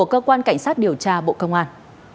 cơ quan cảnh sát điều tra bộ công an